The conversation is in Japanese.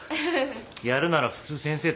やるなら普通先生とでしょ。